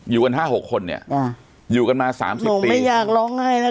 อยู่กันห้าหกคนเนี้ยอ่าอยู่กันมาสามสิบปีหนูไม่อยากร้องให้นะ